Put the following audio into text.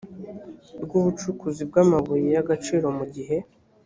rw ubucukuzi bw amabuye y agaciro mu gihe